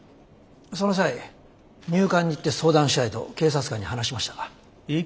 その際入管に行って相談したいと警察官に話しましたか？